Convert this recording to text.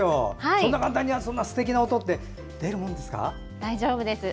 そんな簡単に、すてきな音って出るものなんですか？